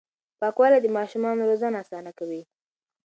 پاکوالي د ماشومانو روزنه اسانه کوي.